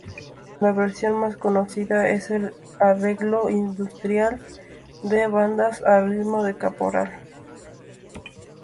La versión más conocida es el arreglo instrumental de bandas a ritmo de caporal.